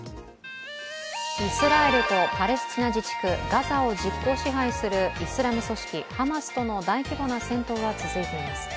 イスラエルとパレスチナ自治区ガザを実効支配するイスラム組織ハマスとの大規模な戦闘は続いています。